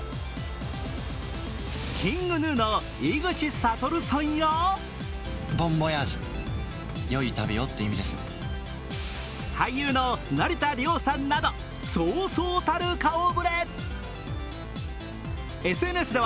ＫｉｎｇＧｎｕの井口理さんや俳優の成田凌さんなどそうそうたる顔ぶれ。